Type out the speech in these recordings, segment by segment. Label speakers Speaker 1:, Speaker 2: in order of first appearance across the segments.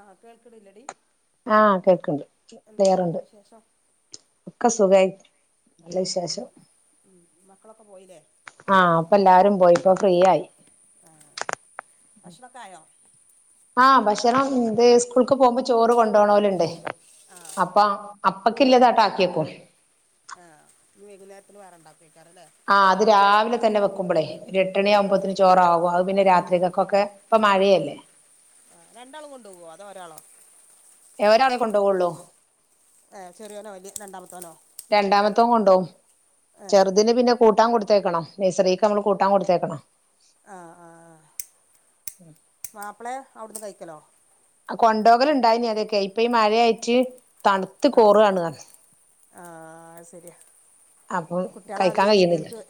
Speaker 1: ആഹ് കേൾക്ക്ടല്ലടി
Speaker 2: ആഹ് കേൾക്കുണ്ട് തെയറൊണ്ട്
Speaker 1: വിശേഷം
Speaker 2: ഒക്കെ സുഖായി നല്ല വിശേഷം
Speaker 1: ഉം മക്കളൊക്കെ പോയില്ലേ
Speaker 2: ആഹ് അപ്പൊ എല്ലാരും പോയിപ്പോ ഫ്രീ ആയി
Speaker 1: ഭക്ഷണോക്കായോ
Speaker 2: ആഹ് ഭക്ഷണം ഇന്ത് സ്കൂൾക്ക് പോകുമ്പോ ചോറ് കൊണ്ടോണോലുണ്ടേ
Speaker 1: ആഹ്
Speaker 2: അപ്പം അപ്പക്കില്ലതാട്ട് ആക്കിയേക്കും
Speaker 1: ആ ഇനി വെകുന്നേരത്തിൻ വേറെ ഉണ്ടാക്കും എഴ്ക്കാരംല്ലേ
Speaker 2: ആഹ് അത് രാവിലെ തന്നെ വെക്കുമ്പോളേ ഒരു എട്ടണി
Speaker 1: ആഹ്
Speaker 2: ആകുമ്പോത്തിന് ചോറ ആകും അത് പിന്നെ രാത്രികക്കൊക്കെ ഇപ്പൊ മഴയല്ലേ
Speaker 1: ആഹ് രണ്ടാളും കൊണ്ടു പോകോ അതോ ഒരാളോ
Speaker 2: ഏഹ് ഒരാളെ കൊണ്ടോവുള്ളൂ
Speaker 1: ഏഹ് ചെറിയോനോ വലിയ രണ്ടാമത്തോനോ
Speaker 2: രണ്ടാമത്തോ കൊണ്ടോവും
Speaker 1: ഏഹ്
Speaker 2: ചെറുതിന് പിന്നെ കൂട്ടാൻ കൊടുത്തേക്കണം നൈസറീക്ക് നമ്മൾ കൂട്ടാൻ കൊടുത്തേക്കണം
Speaker 1: ആഹ് ആഹ് മാപ്പിളെ അവിടുന്ന് കഴിക്കലോ
Speaker 2: കൊണ്ടോകൽ ഇണ്ടായിനി അതൊക്കെ ഇപ്പ ഈ മഴയായിട്ട് തണുത്ത് കോറ
Speaker 1: ആഹ്
Speaker 2: ആണു പർ
Speaker 1: ആഹ് ശരിയാ
Speaker 2: അപ്പം കഴിക്കാൻ
Speaker 1: കുട്ടികളാതിരി
Speaker 2: കഴിയുന്നില്ല
Speaker 1: വെല്ലുൾക്ക്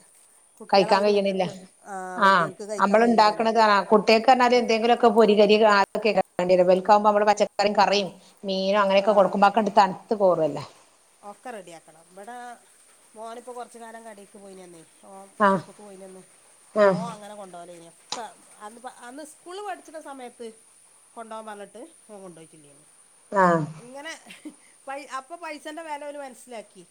Speaker 1: കുട്ടിളെ
Speaker 2: കഴിക്കാൻ
Speaker 1: ആതിരി
Speaker 2: കഴിയണില്ല
Speaker 1: വല്യക്ക് ആഹ് വെല്യോൽക്ക് സഴിക്കാൻ കഴുലല്ലോ
Speaker 2: കുട്ടേക്ക്ഞ്ഞാൽ എന്തെങ്കിലുഒക്കെ പൊരി കരി അതൊക്കെ വാണ്ടിര വെക്കാവുമ്പോ നമ്മൾ പച്ചക്കറിം കറിം മീനോ അങ്ങനക്കെ
Speaker 1: ആഹ്
Speaker 2: കൊടുക്ക്പോഅക്കണ്ട് തണുത്ത് പോവല്ലേ
Speaker 1: ഒക്കെ റെഡിആക്കണം ഇവിടെ മോനിപ്പോ കുറച്ച് കാലം കടേക്ക് പോയിനന്നേ ഓ
Speaker 2: ആഹ്
Speaker 1: ഷോപ്പ്ക്ക് പോയീനിന്ന് ഓ
Speaker 2: ആഹ്
Speaker 1: അങ്ങനെ കൊണ്ടുപോവലേനു ക്ക അന്ന് അന്ന് സ്കൂൾ പഠിച്ചിണ സമയത്ത് കൊണ്ടുപോവാൻ പർഞ്ഞിട്ട് ഓ കൊണ്ടു പോയിട്ടില്ല
Speaker 2: ആഹ്
Speaker 1: ഇങ്ങനെ പൈ അപ്പൊ പൈസന്റെ വെല ഓൽ മനസ്സിലാക്കി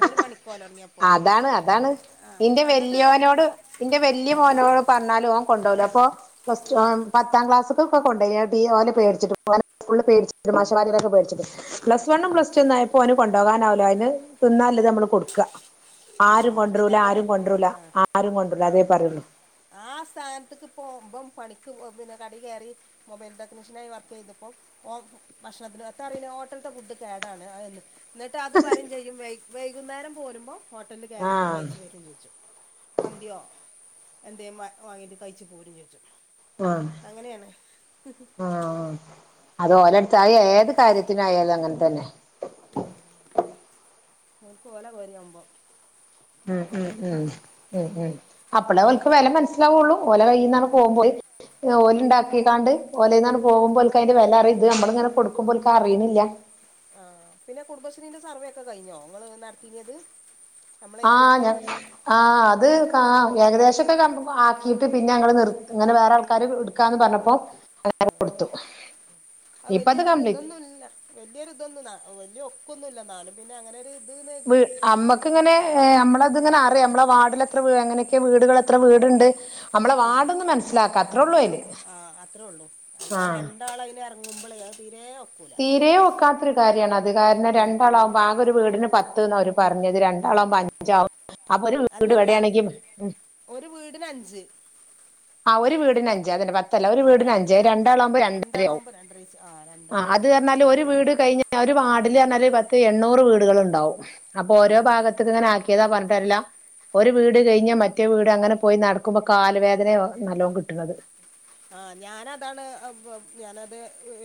Speaker 1: ഓന് പണിക്കോല തുടങ്ങിയപ്പോൾ
Speaker 2: അതാണ് അതാണ്
Speaker 1: ആ
Speaker 2: ഇന്റെ
Speaker 1: എന്നിട്ട്
Speaker 2: വല്യോനോട് ഇന്റെ വലിയ മോനോട് പറഞ്ഞാലും ഓൻ കൊണ്ടോവൂല അപ്പൊ പ്ലസ് റ്റു
Speaker 1: ആ
Speaker 2: പത്താം ക്ലാസ്ക്കൊക്കെ കൊണ്ടയ്യാട്ട് ഈ ഓനെ പേട്ച്ചിട്ടും ഓനെ സ്കൂൾ പേടിച്ചിട്ടും മാഷമ്മാര്യരൊക്കെ പേടിച്ചിട്ടും പ്ലസ് വണ്ണും പ്ലസ് ടു എന്നയപ്പോൾ ഓൻ കൊണ്ടോവാനാവൂല അതിന് തിന്നൽത് നമ്മൾ കൊടുക്ക
Speaker 1: ആ
Speaker 2: ആരും
Speaker 1: അതന്നെ
Speaker 2: കൊണ്ടരൂല ആരും
Speaker 1: അതന്നെ
Speaker 2: കൊണ്ടരൂല ആരും കൊണ്ടുവൂല അതേ പറയുള്ളൂ
Speaker 1: ആഹ് സ്ഥാനത്ത്ക്ക് പ്പം ബ്ബം പണിക്ക് പിന്നെ കടി കയറി മൊബൈൽ ടെക്നീഷ്യനായി വർക്ക് ചെയ്തപ്പോ ഓ ഭക്ഷണത്തിന് എത്ര അറിണ് ഹോട്ടൽത്തെ ഫുഡ് കേടാണ്ന്ന് അതെന്നെ എന്നിട്ട് അത് പറയും ചെയ്യും വൈ വൈകുന്നേരം പോരുമ്പോ ഹോട്ടലിൽ കയറിയിട്ട്
Speaker 2: ആഹ്
Speaker 1: കഴിച്ചു വരും ചെയ്യും മന്തിയോ എന്തേം വ വാങ്ങിയിട്ട് കഴിച്ച് പോരും ചെജ്ജും
Speaker 2: ആഹ് ആഹ് ആഹ് അത് ഓനടുത്തായി ഏത് കാര്യത്തിനായാലും അങ്ങനെ തന്നെ
Speaker 1: നക്ക് പോലെ പോരുമ്പോം
Speaker 2: ഉം ഉം ഉം ഉം ഉം അപ്പളെ അവൾക്ക് വില മനസ്സിലാവുള്ളൂ ഓല കൈയിൽന്നാണ് പോകുംപോയി ഓല ഉണ്ടാക്കീണ്ടാണ്ട് ഓലയിൽന്നാണ് പോകുമ്പോൾക്കെ അന്റെ വില അറിയത്തില്ല നമ്മള് ഇങ്ങനെ കൊടുക്കുമ്പോ ഓല്ക്ക് അറിയണില്ല
Speaker 1: ആഹ് പിന്നെ കുടുംബശ്രീന്റെ സർവ്വെ ഒക്കെ കഴിഞ്ഞോ നിങ്ങള് നടത്തിരത്
Speaker 2: ആഹ് ഞ ആഹ് അത് ഏകദേശംമൊക്കെ കറക്റ്റ് ആക്കിയിട്ട് പിന്നെ ഞങ്ങൾ നിർത്തി ഇങ്ങനെ വേറെ ആൾക്കാര് നിക്കാന്ന് പറഞ്ഞപ്പോ അങ്ങ് കൊടുത്തു
Speaker 1: ആഹ്
Speaker 2: ഇപ്പ അത്
Speaker 1: വല്യയൊരു
Speaker 2: കംപ്ലീറ്റ്
Speaker 1: ഇതൊന്നും ഇല്ല വല്യയൊരു ഇതൊന്നും വല്യയ ഒക്കൊന്നും ഇല്ല ന്നാലും പിന്നെ അങ്ങനെ ഒരു ഇത് കരുതി
Speaker 2: വി അമ്മക്ക്ങ്ങനെ നമ്മളതിങ്ങനെ അറിയാം നമ്മളെ വാർഡിലെ ത്രവീട് എങ്ങനെയൊക്കെ വീടുകൾ എത്ര വീടുണ്ട് നമ്മളെ വാർഡ് ഒന്ന് മനസ്സിലാക്കാ അത്രേ ഉള്ളൂ അയില് ആഹ്
Speaker 1: ഒരാളെ അയിന് ഇറങ്ങുമ്പൾ അഹ് തിരെ ഒക്കുല
Speaker 2: തീരെ ഒക്കാത്ത ഒരു കാര്യണ് അത് കാരണം
Speaker 1: ഉം
Speaker 2: രണ്ടാളാ
Speaker 1: ഉം
Speaker 2: ആകെ ഒരു വീടിന് പത്ത്ന്ന് ഒര് പറഞ്ഞത് രണ്ടാളാവുമ്പോ അഞ്ചാവും അപ്പൊ ഒരു വീട്
Speaker 1: അല്ലല്ല
Speaker 2: ഇവിടെയാണെങ്കിൽ ഉം
Speaker 1: ഒരു വീടിന് അഞ്ച്
Speaker 2: ആഹ് ഒരു വീടിന് അഞ്ച് അങ്ങനെപ ത്തല്ല ഒരു
Speaker 1: ആ
Speaker 2: വീടിന്
Speaker 1: രണ്ട്
Speaker 2: അഞ്ച്
Speaker 1: ര
Speaker 2: അഹ്‌ രണ്ടാൾളാവുമ്പോ രണ്ടര ആവും
Speaker 1: രണ്ടാളാവുമ്പോൾ രണ്ടര വെച്ച് ആ
Speaker 2: അ
Speaker 1: രണ്ടരയാവും
Speaker 2: അത്
Speaker 1: ആ
Speaker 2: കഴിഞ്ഞാല് ഒരു വീട് കഴിഞ്ഞ് ഒരു വാർഡില് പറഞ്ഞാല് പത്ത് എണ്ണൂറ് വീടുകൾ ഉണ്ടാവും അപ്പൊ ഓരോ
Speaker 1: ഉം.
Speaker 2: ഭാഗത്ത് ത്ത് ക്ക് ഇങ്ങനെ ആക്കിയതാ പറഞ്ഞിട്ടര്യല്ല ഒരു വീട് കഴിഞ്ഞ് മറ്റേ വീട് അങ്ങനെ പോയി നടക്കുമ്പോ കാൽ വേദനവും നാലോം കിട്ന്നത്
Speaker 1: ആഹ് ഞാനതാണ് [unintelligible] ഞാനത്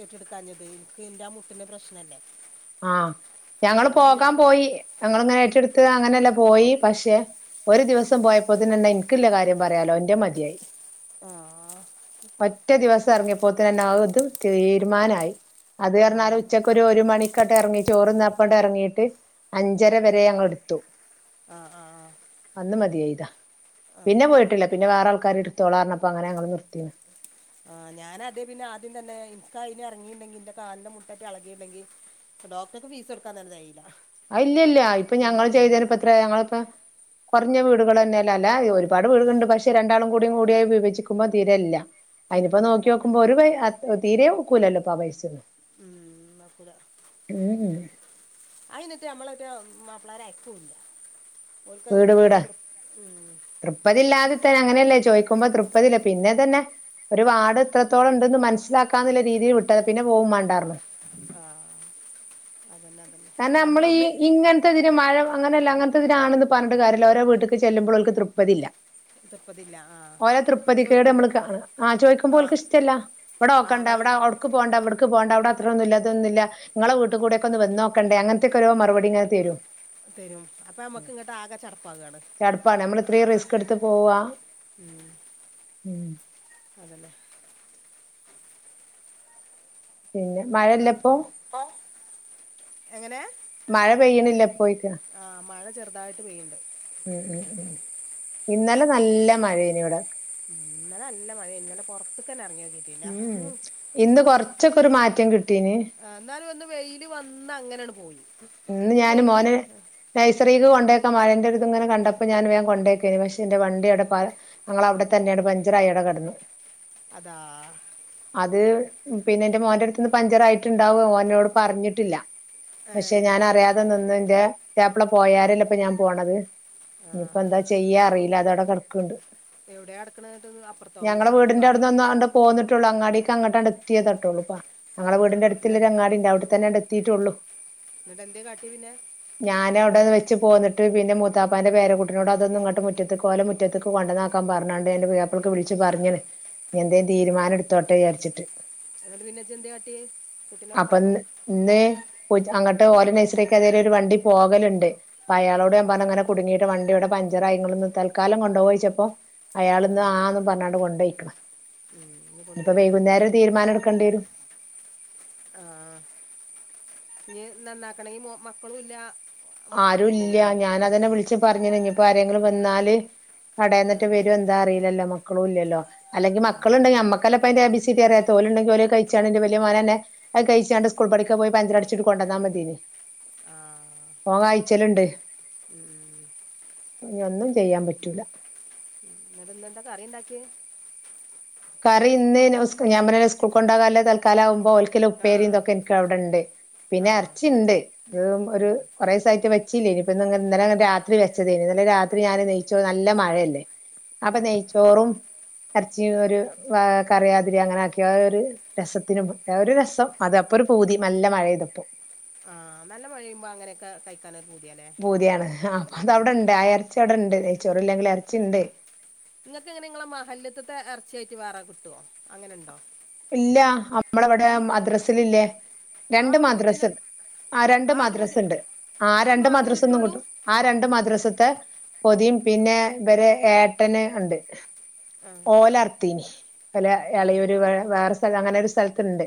Speaker 1: ഏറ്റെടുക്കാഞ്ഞത് എനിക്ക് എന്റെ ആ മുട്ടിന്റെ പ്രശ്നല്ലേ
Speaker 2: ആഹ് ഞങ്ങള് പോകാൻ പോയി ഞങ്ങളിങ്ങനെ ഏറ്റെടുത്ത് അങ്ങനെയല്ലേ പോയി പക്ഷേ ഒരു ദിവസം പോയപ്പോത്തിന്നെന്നെ ഇനിക്കില്ല കാര്യം പറയാലോ എന്റെത് മതിയായി
Speaker 1: ആഹ്
Speaker 2: ഒറ്റേ ദിവസം ഇറങ്ങിയപ്പോത്തിതന്നെ ആഹ് ഇത് തീരുമാനായി അത്
Speaker 1: ആ
Speaker 2: പറഞ്ഞാല് ഉച്ചക്ക് ഒരു മണി ക്ക് ഇറങ്ങി ചോറ്ന്നാപ്പെണ്ട്‌ ഇറങ്ങിയിട്ട് അഞ്ചര വരെ ഞങ്ങള് എടുത്തു
Speaker 1: ആഹ് ആഹ് ആഹ്
Speaker 2: അന്ന് മതിയായതാ പിന്നെ പോയിട്ടില്ല പിന്നെ വേറെ ആൾക്കാര് എടുത്തോളാന്നരന്നപ്പോ അങ്ങന ഞങ്ങള് നിർത്തിന്
Speaker 1: ആഹ് ഞാന അതേ പിന്നെ ആദ്യം തന്നെ ഇന്ക്ക് അയിന് ഇറങ്ങിയിണ്ടെങ്കി ഇന്റെ കാലിന്റെ മുട്ടാട്ടെ ഇളകിണ്ടെങ്കിൽ ഡോക്ടർക്ക് ഫീസ് കൊടുക്കാൻ തന്നെ തിയില്ല
Speaker 2: ആഹ് ഇല്ല ഇല്ല ഇപ്പൊ ഞങ്ങള് ചെയ്തന്പ്പത്ര ഞങ്ങളിപ്പം കുറഞ്ഞ വീടുകൾ തന്നെയല്ല അല്ല ഒരുപാട് വീടുണ്ട് പക്ഷേ രണ്ടാളും കൂടിയായി അഹ്‌ വിഭജിക്കുമ്പോ തീരയില്ല
Speaker 1: ഉം
Speaker 2: അയിനിപ്പോ നോക്കി
Speaker 1: ഉണ്ടാവില്ല
Speaker 2: നോക്കുമ്പോ ഒരു തീരെ ഒക്കൂലല്ലോ ആ പൈസന്നും
Speaker 1: ഉം ഒക്കുല
Speaker 2: ഹ് ഹ്
Speaker 1: അയിനിട്ട് നമ്മളെ മറ്റെ മാപ്പിളേര് അയക്കുല്ല ഒൽക്ക്ത് വലിയൊരു ത്തിർ ഉം
Speaker 2: തൃപതി ഇല്ലാതെ തന്നെ അങ്ങനെയല്ലേ ചോദിക്കുമ്പോ തൃപതി ഇല്ല പിന്നെ തന്നെ ഒരു വാഡ് എത്രത്തോളം ഉണ്ടെന്ന് മനസ്സിലാക്കാന്നുള്ള രീതിയിൽ വിട്ടത് പിന്നെ പോവും മാണ്ടാർന്ന്
Speaker 1: ആഹ് അതന്നെ അതന്നെ
Speaker 2: കാരണം
Speaker 1: ആ
Speaker 2: നമ്മള് ഈ
Speaker 1: നമ്മളവിടുന്ന്
Speaker 2: ഇങ്ങ ത്തഇതിന് മഴ അങ്ങനല്ല അങ്ങനത്തെ തിനാണ് പറഞ്ഞിട്ട് കാര്യല്ല ഓരോ വീട്ക്ക് ചെല്ലുമ്പോൾ ഒൽക്ക് തൃപ്തിയില്ല
Speaker 1: തൃപ്പതില്ല ആ
Speaker 2: ഓരോ തൃപ്പതി കേട് നമ്മള്
Speaker 1: ചോദിക്കുമ്പോൾ
Speaker 2: കാണ ആഹ് ചോദിക്കുമ്പോ
Speaker 1: ആ
Speaker 2: ഒൽക്ക് ഇഷ്ടല്ല ഇവിടെ
Speaker 1: ആ
Speaker 2: ഓക്കണ്ട ഇവിടെ
Speaker 1: വെള്ളം
Speaker 2: ഒ അട്ക്ക് പോണ്ട ഇവിടുക്ക് പോണ്ട അവിട അത്രൊന്നും ഇല്ല ഇതൊന്നും ഇങ്ങള വീട് കൂടെക്കെവന്നോ കണ്ടെ അങ്ങനത്തെക്കെ ഓരേ മറുപടി ങ്ങനെ തരും
Speaker 1: തരും അപ്പം നമുക്ക് ഇങ്ങോട്ട് ആകെ ചടപ്പാകുകയാണ്
Speaker 2: ചടപ്പാണ് നമ്മൾ ഇത്രയും റിസ്ക് എടുത്ത് പോവാ
Speaker 1: ഉം
Speaker 2: ഉം
Speaker 1: അതന്നെ
Speaker 2: പിന്നെ മഴല്ലെ ഇപ്പൊ
Speaker 1: എങ്ങനെ
Speaker 2: മഴ പെയ്യ്ണില്ലെ ഇപ്പൊയ്ക്കാ
Speaker 1: ആഹ് മഴ ചെറ്തായിട്ട് പെയ്യ്ണ്ട്
Speaker 2: ഉം ഉം ഉം ഇന്നലെ നല്ല മഴേനി ഇവടെ
Speaker 1: ഉം ഇന്നലെ നല്ല മഴേനി ഇന്നലെ പൊറ്ത്ത്ക്കെന്നെ എർങ്യോക്കി
Speaker 2: ഉം ഹും ഇന്ന് കൊറ്ച്ചൊക്കൊരു മാറ്റം കിട്ടീന്
Speaker 1: ആഹ് ന്നാലും ഒന്ന് വെയില് വന്ന് അങ്ങനെ ണ് പോയി
Speaker 2: ഇന്ന്
Speaker 1: ഒന്ന്
Speaker 2: ഞാന്
Speaker 1: വെയില്
Speaker 2: മോന് നെഴ്സറീക് കൊണ്ടാക്കാം മഴന്റൊര്ത് ഇങ്ങനെ കണ്ടപ്പൊ ഞാൻ വേം കൊണ്ടാക്കേന് പക്ഷേ ന്റെ വണ്ടിയവ്ടെ പ ഞങ്ങളവടെ തന്നേണ്ട് പഞ്ചറായിവടെ കെട്ന്നു
Speaker 1: അതാഹ്
Speaker 2: അത് പിന്നെ ഇന്റെ മോന്റെ അട്ത്ത്ന്ന് പഞ്ചറായിട്ട്ണ്ടാവും ഓൻ ന്നോട് പറഞ്ഞ്ട്ടില്ല
Speaker 1: ഏ,
Speaker 2: പക്ഷേ ഞാൻ അറിയാതെ നിന്ന് ഇന്റെ ത്യാപ്ല പോയാരെല്ലെ ഇപ്പ ഞാൻ പോണത്
Speaker 1: ആ,
Speaker 2: ഇഞ്പ്പെന്താ ചെയ്യാ അറീല്ല അതവ്ടെ കടക്ക്ണ്ട്
Speaker 1: എവിടെ അട്ക്കണത് ന്നട്ട് അപ്പർത്തൊ വീടിന്റെരുത്തൊ അതൊ
Speaker 2: പോന്നിട്ടൊള്ളു അങ്ങാടീക്ക് അങ്ങട്ടാ ണ്ട് എത്യേതൊട്ടൊള്ളുപ്പ
Speaker 1: ഏ,
Speaker 2: ഞങ്ങളെ വീടിന്റട്ത്ത്ല്ല ഒര
Speaker 1: എന്നിട്ട്
Speaker 2: അങ്ങാടി ഇണ്ട് അവ്ട്തന്നേണ്ട് എത്തീറ്റൊള്ളു
Speaker 1: ന്നട്ട് എന്തേയ് കാട്ടി പിന്നെ
Speaker 2: ഞാന് അവ്ടെ അഹ് വെച്ച് പോന്നിട്ട് പിന്നെ മൂത്താപ്പാന്റെ പേര കുട്ട്നോട് അതൊന്ന് ഇങ്ങട്ട് മുറ്റത്ത്ക് ഓല മുറ്റ റ്റത്ത് കൊണ്ടന്നാക്കാം പർഞ്ഞാണ്ട് ഞാ ഇന്റെ പുത്യാപ്പ്ളക്ക് വിളിച്ച് പർഞ്ഞ് ന് ഞിഎന്തേ തീരുമാനം ഇട്ത്തോട്ടെ ജാരിച്ചിട്ട്
Speaker 1: എന്ന്ട്ട് പിന്നെ ഇജ്ജെന്തേ കാട്ട്യേ കുട്ടിനെ
Speaker 2: അപ്പൊ ഇന്ന്
Speaker 1: കൊണ്ടാക്കാം
Speaker 2: ഇന്ന് പോയിറ്റ് അങ്ങട്ട് ഓലെ നെയ്സ്രിക്ക് ഏതായാലും ഒര് വണ്ടി പോകല്ണ്ട് അപ്പൊ
Speaker 1: ആ
Speaker 2: അയാളോട് ഞാ പർഞ്ഞ് ഇങ്ങനെ ക്കുടുങ്ങീട്ട് വണ്ടിവടെ പഞ്ചറായി ഇങ്ങള്ന്ന് തൽക്കാലം കൊണ്ടോവോയ്ച്ചപ്പൊ
Speaker 1: ആ ആ.
Speaker 2: അയാള്ന്ന് ആന്നും പർഞ്ഞാണ്ട് കൊണ്ടൊയ്ക്ക്ണ്.
Speaker 1: ഉം, ഇനി
Speaker 2: ഇഞ് ഇപ്പൊ
Speaker 1: കൊണ്ടുവരും
Speaker 2: വൈകുന്നേരം ഒര്
Speaker 1: വേണ്ടിയില്ലേ
Speaker 2: തീരുമാനം ഇട്ക്കണ്ടിയെരും
Speaker 1: ആഹ് ഇഞി നന്നാക്കണെങി മോ മക്കളൂല്ല
Speaker 2: ആരു ഇല്ല്യാ. ഞാനതന്നെ വിള്ച്ച് പറഞ്ഞീന് ഇഞിപ്പൊ ആരെങ്കിലും വന്നാല്
Speaker 1: ആ
Speaker 2: കടേന്നെറ്റെ വെരോ എ ന്താറീല്ലല്ലൊ മക്കളും ഇല്ല്യല്ലൊ അല്ലെങ്കി മക്കള്ണ്ടെങ്കി ഞമ്മ ക്കല്ലെപ്പയിന്റെ ഏ, ബീ, സീ, ടി അറിയാത്തെ ഓല്ണ്ടെങ്കി ഓലത് കഴ്ച്ചാണ്ട് ഇന്റെ വല്യ മോനെന്നെ അയ് കഴ്ച്ചാണ്ട് സ്കൂൾ പഠിക്ക പോയി പഞ്ചറട്ച്ചിട്ട് കൊണ്ടന്നാ മതിയേനി
Speaker 1: ആഹ്
Speaker 2: ഓം കഴ്ച്ചല്ണ്ട്. ഇഞ്ഞൊന്നും ചെയ്യാൻ പറ്റൂല
Speaker 1: ന്നട്ട് ഇന്നെന്താ കറിണ്ടാക്ക്യേ
Speaker 2: കറി ഇന്ന് സ്കൂ ഞാൻ പർഞ്ഞിലെ സ്കൂൾക്കൊണ്ടാകല്ലഹ് തൽക്കാലാ വുമ്പൊ ഓൽ ക്ക്ല്ല
Speaker 1: ആ
Speaker 2: ഉപ്പേരിം തൊക്ക ഇൻക്ക് അവിടെണ്ട്.
Speaker 1: ആ
Speaker 2: പിന്നെ എർച്ചിണ്ട് അത് ഒര് കൊറേസായിറ്റ് വെച്ചില്ലെയ്നി. ഇപ്പന്ന് ഇങ്ങ് ഇന്നലെങ്ങ് രാത്രി വെച്ചതേന്. ഇന്നലെ രാത്രി ഞാന് നെയ്ചോർ നല്ല മഴല്ലെ അപ്പ നെയ്ച്ചോറും എർച്ചിം ഒരു വാ കറിയാതിരി അങ്ങനാക്കി അഹ് ഒരു രസത്തിന് പ് അഹ് ഒരു രസം. അത് അപ്പൊരു പൂതി. നല്ല മഴെയ്തപ്പൊ
Speaker 1: ആഹ് നല്ല മഴെയ്യുമ്പൊ അങ്ങനെക്കെ കഴിക്കാനൊരു പൂതിയാ
Speaker 2: പൂതി ആണ്. ആഹ് അപ്പ അതവടെണ്ട് ആ എർച്ചി അവ്ടെണ്ട്. നെയ്ചോറില്ലെങ്കിലും എർച്ചി ഇണ്ട്
Speaker 1: ഇങ്ങക്ക് എങ്ങനെ ഇങ്ങളെ മഹല്ല്ത്ത്ത്തെ എർച്ച്യായിട്ട് വേറെ കിട്ടോ അങ്ങനെണ്ടോ
Speaker 2: ഇല്ല അമ്മളവടെ മദ്രസ് ല് ല്ലെ.
Speaker 1: ആ
Speaker 2: രണ്ട്
Speaker 1: ഒരു പുതിയ
Speaker 2: മദ്രസണ്ട് ആഹ് രണ്ട്
Speaker 1: ആ ഒരു പുതിയ
Speaker 2: മദ്രസ്ണ്ട് ആഹ്
Speaker 1: അത്
Speaker 2: രണ്ട്
Speaker 1: മാത്രമേ
Speaker 2: മദ്രസ്ന്നും
Speaker 1: കിട്ടുള്ളൂ
Speaker 2: കിട്ടും ആഹ് രണ്ട് മദ്രസ്ത്തെ പൊതിം പിന്നെ ഇബരെ ഏട്ടന് ഇണ്ട്
Speaker 1: ആ
Speaker 2: ഓലർത്തീന് ഇവലെ
Speaker 1: ഏ,
Speaker 2: എളയൂര് വെ വേറെ സ്ഥല അങ്ങനൊരു സ്ഥൽത്ത്ണ്ട്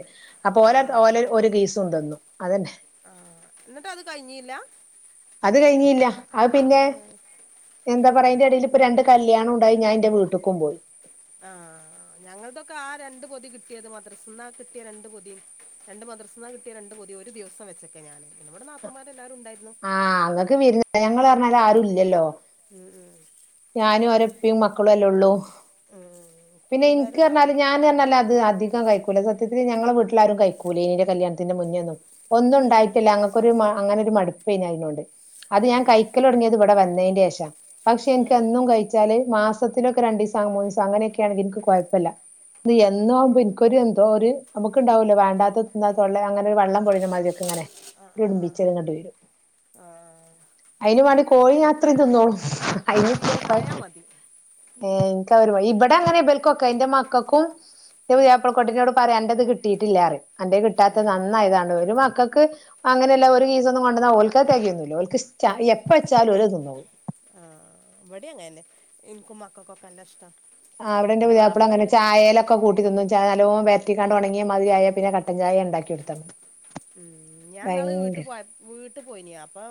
Speaker 2: അപ്പൊ
Speaker 1: ആ
Speaker 2: ഓല ഓലൊരു ഒരു കീസും തന്നു അതെന്നെ
Speaker 1: ന്നിട്ട് അത് കയിഞ്ഞീല
Speaker 2: അത് കയിഞ്ഞീല്ല അത് പിന്നെ
Speaker 1: ഏ,
Speaker 2: എന്താ പറയാ അയിന്റെ എടീല് ഇപ്പൊ രണ്ട് കല്യാണം ഉണ്ടായി ഞാനെന്റെ വീട്ടിക്കും പോയി
Speaker 1: ആ ഞങ്ങൾതൊക്കെ ആ രണ്ട് പൊതി കിട്ടിയത് മദ്രസിന്നാ കിട്ടിയ രണ്ട് പൊതി രണ്ട് മദ്രർസന്നാ കിട്ടിയ രണ്ട് പൊതി ഒരു ദിവസം വെച്ചക്കെ ഞാൻ ഇവടെ നാത്തൂന്മാരെല്ലാരും ഉണ്ടായിരുന്നു
Speaker 2: ആ ങ്ങക്ക് വിരുന്ന് ഞങ്ങൾ പറഞ്ഞാല് ആരും ഇല്ലല്ലോ
Speaker 1: ഉം ഉം
Speaker 2: ഞാനു ഒരൂപ്പീ മക്കളു അല്ലേ ഉള്ളൂ
Speaker 1: ഉം
Speaker 2: പിന്നെ ഇൻക്ക്
Speaker 1: വിരുന്നാരുണ്ടാവും
Speaker 2: പറഞ്ഞാല് ഞാന് പറഞ്ഞാല് അത് അധി കം കയിക്കൂല സത്യത്തില് ഞങ്ങളെ വീട്ടിലാരും കഴിക്കൂല ഇന്റെ കല്യാണത്തിന്റെ മുന്നെയോന്നും
Speaker 1: ഏഹ്
Speaker 2: ഒന്നുണ്ടായിട്ടില്ല ഞങ്ങ ഒരു മ അങ്ങനൊരു മടുപ്പെയ്നു അയിനോട് അത് ഞാൻ കഴിക്കലൊടങ്ങിയത് ഇവിടെ വന്നതിന്റെ ശേഷ പക്ഷെ ഇത്
Speaker 1: ഏഹ്
Speaker 2: എന്നും കഴിച്ചാല് മാസത്തിനൊക്കെ രണ്ടീസാ മൂന്നീസാ അങ്ങനെയൊക്കെയാണെങ്കി എനിക്ക് കുഴപ്പല്ല ഇത് എന്നുവാവുമ്പോ ഇൻക്കൊരു എന്തോ ഒരു നമുക്കുണ്ടാവൂലെ വേണ്ടാത്ത തിന്നാത്തൊള്ളെ അങ്ങനെ ഒരു വെള്ളം കൊഴഞ്ഞ മാതിരിയൊക് അങ്ങനെ
Speaker 1: ആഹ് ആഹ് ആഹ്
Speaker 2: ഒരുടുമ്പിച്ചൽ ഇങ്ങട്
Speaker 1: ആഹ്
Speaker 2: വരും
Speaker 1: ആഹ്
Speaker 2: അയിന് വേണ്ടി
Speaker 1: ഇൻക്ക് ബീ
Speaker 2: കോഴി ഞാനെത്രയും
Speaker 1: ഇൻക്ക്
Speaker 2: തിന്നോളുംഅയിനിപ്പോ കൊയ
Speaker 1: ബീഫായാ മതി
Speaker 2: ഏ എനിക്ക് അവരു ഇവിടെ അങ്ങനെ ഇബൽക്കൊക്കെ എന്റെ മക്കക്കും ന്റെ പുതിയാപ്പിള കുട്ടിനോട് പറയാ അന്റെത് കിട്ടിയിട്ടില്ലാറയും അന്റെ കിട്ടാത്ത
Speaker 1: ആഹ്
Speaker 2: നന്നായിയതാണ് ഒരു മക്കക്ക് അങ്ങനെല്ല ഒരു കീസൊന്നും കൊണ്ടെന്ന ഓൽക്കത് തെകയൊന്നുല്ല ഓൽക്ക് ഇഷ്ട ഈ എപ്പ വെച്ചാലും ഓലത് തിന്നോളും
Speaker 1: ആ ഇവടീം അങ്ങനെന്നെ ഇനിക്കും മക്കക്കൊക്കെ നല്ലഷ്ടാ
Speaker 2: ആ അവിടെന്റെ പുതിയാപ്പിള അങ്ങനെ ഛായേലൊ ക്കൊ കൂട്ടി തിന്നും ഛായ നല്ലോണം വരറ്റിക്കാണ്ട് ഒണങ്ങി മാതിരി ആയ പിന്നെ കട്ടൻ ഛായ ഉണ്ടാക്കിയെടുത്ത മതി
Speaker 1: ഉം ഞാൻ ന്നാള്
Speaker 2: ഭയങ്കര
Speaker 1: വീട്ടിപോയ വീട്ട് പോയിനി ഞാൻ അപ്പൊ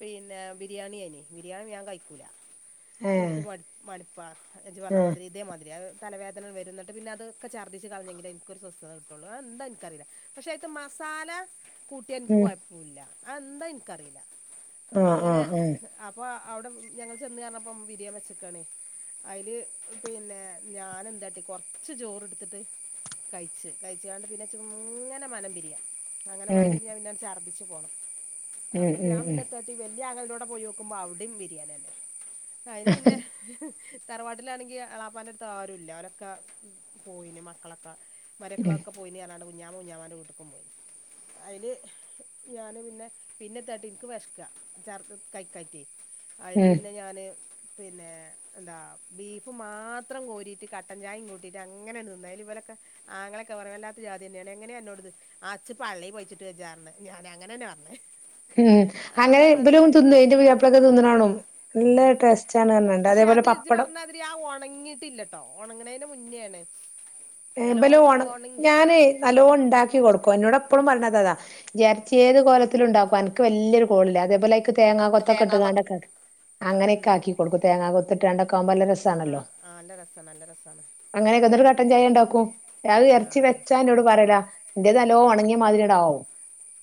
Speaker 1: പിന്നെ ബിരിയാണി ആയിനി ബിരിയാണി ഞാൻ കഴിക്കൂല
Speaker 2: ഏഹ്
Speaker 1: ഇനിക്ക് മട് മടുപ്പാ എജ്ജ് പറഞ്ഞ
Speaker 2: ആഹ്
Speaker 1: മാതിരി ഇതേ മാതിരി തലവേദന വരും ന്നിട്ട് പിന്നെ അതൊക്കെ ഛർദിച്ച് കളഞ്ഞെങ്കിലേ എനിക്കൊരു സ്വസ്ഥതകിട്ടൂള്ളൂ അത് എന്താ എനിക്കറില്ല പക്ഷെ അയിത്തെ മസാല കൂട്ടിയ എനിക്ക്
Speaker 2: ഉം
Speaker 1: കൊഴപ്പൂല്ല അത് എന്താ ഇൻക്കറീല്ല
Speaker 2: ആഹ്
Speaker 1: അങ്ങനെ
Speaker 2: ആഹ്
Speaker 1: അപ്പൊ അവിടെ ഞങ്ങൾ ചെന്ന് കേറണപ്പ വിരിയൻ വെച്ച്ക്കാണേ അയില് പിന്നെ ഞാന് എന്താട്ടി കൊറച്ച് ചോറ് ഇടുത്തിട്ട് കഴിച്ച് കഴിച്ചാണ്ട് പിന്നെ ച്ച്ങ്ങനെ മനം പിരിയാ അങ്ങനെ മനം
Speaker 2: ഉം
Speaker 1: പിരിഞ്ഞാ പിന്നെ ഛർദിച്ചു പോണം
Speaker 2: ഉം
Speaker 1: അപ്പൊ
Speaker 2: ഉം
Speaker 1: ഞാൻ
Speaker 2: ഉം
Speaker 1: പിന്നെ എത്താട്ടി വല്യ ആങ്ങളന്റൊടെ പോയൊ ക്കുമ്പോ അവിടെയും ബിരിയാണിയന്നെ അയില് പിന്നെ തറവാട്ടിലാണെങ്കി എളാപ്പാന്റെ അടുത്ത് ആരു ഇല്ല അവരോക്കെ പോയിന് മക്കളൊക്കെ,
Speaker 2: ഉം ഉം
Speaker 1: മരൊക്കളൊക്കെ പോയിന് പറഞ്ഞാണ്ട് കുഞ്ഞാമ കുഞ്ഞാമാന്റെ വീട്ടക്കും പോയി അയില് ഞാന് പിന്നെ പിന്നെ എത്താട്ടി ഇൻക്ക് വെശ്ക്ക ഛർദി കൈക്കാറ്റെയ്‌ അയില്
Speaker 2: ഉം
Speaker 1: പിന്നെ ഞാന് പിന്നെ എന്താ ബീഫ് മാത്രം കോരിട്ട് കട്ടൻ ഛായീം കൂട്ടിട്ട് അങ്ങനങ്ങട് തിന്നു അയിൽ ഇബലൊക്കെ ആങ്ങളൊക്കെ പറയ വല്ലാത്ത ജാതി തന്നെയാണ് എങ്ങനെ അന്നോടിത് ആ ച്ച് പള്ളീം പയിച്ചിട്ട് വെജ്ജാർഞ്ഞു ഞാൻ അങ്ങനന്നെ പറഞ്ഞേ
Speaker 2: ഉം അങ്ങനെ
Speaker 1: പറഞ്ഞോണ്ട്
Speaker 2: ഇവലും
Speaker 1: പിന്നെ
Speaker 2: തിന്ന് കയിഞ്ഞിട്ട് പുതിയാപ്പിളൊക്കെ തിന്ന്ണാണും നല്ല
Speaker 1: ഉം
Speaker 2: ടെസ് സ്റ്റാണ് പറഞ്ഞാണ്ട് അതേപോലെ പപ്പടം
Speaker 1: തി ആ ഒണങ്ങിയിട്ടില്ലട്ടോ ഒണങ്ങണെന്റെ മുന്നേണ് നല്ലോ
Speaker 2: ഏബല് ഓണം
Speaker 1: ഒണങ്ങി
Speaker 2: ഞാനേ നല്ലോണം ഇണ്ടാക്കികൊടുക്കും എന്നോട് എപ്പഴും പറേണതതാ എറച്ചി ഏതുകോലത്തിലും ഉണ്ടാക്കും അനക്ക് വല്യൊരു കോളില്ലാ അതേപോലെ തേങ്ങാകൊത്തൊക്കെ
Speaker 1: തേങ്ങാ കൊത്ത്
Speaker 2: ഇട്ടുങ്ങാണ്ടൊക്കെ
Speaker 1: ഉം
Speaker 2: അങ്ങനൊക്കെയാക്കി കൊടുക്കും തേങ്ങാകൊത്ത് ഇട്ടാണ്ടോക്കെ ആവുമ്പോ നല്ല
Speaker 1: ആഹ്
Speaker 2: രസാണല്ലോ
Speaker 1: ആഹ് ആഹ് നല്ല രസാ നല്ല രസാണ്
Speaker 2: അങ്ങനെക്കെ എന്നിട്ട് കട്ടൻ ചായേംണ്ടാ ക്കും
Speaker 1: ആഹ്
Speaker 2: എറച്ചിവെച്ചാ എന്നോടുപറയില്ല എന്റേതു നല്ലോണം ഓണങ്ങിയ മാതിരിയിണ്ടാവും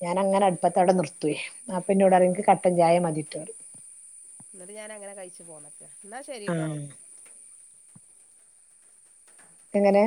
Speaker 2: ഞാനങ്ങനെ അടുപ്പത്തവിടെ നിർത്തുവേ അപ്പെന്നോടറയും എൻക്
Speaker 1: ആഹ്
Speaker 2: കട്ടൻ ചായമതിട്ടോറയും
Speaker 1: എന്നിട്ട് ഞാനങ്ങനെ കഴിച്ചുപോന്നട്ട് എന്നാ ശെരിട്ടോ
Speaker 2: ആഹ് എങ്ങനെ